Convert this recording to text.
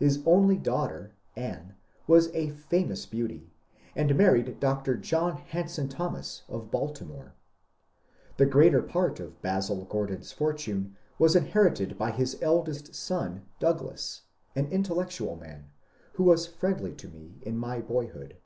His only daughter, Anne, was a famous beauty, and married Dr. John Hanson Thomas of Baltimore. The greater part of Basil Gordon's fortune was inherited by his eldest son, Douglas, an intellectual man, who was friendly to me in my boyhood.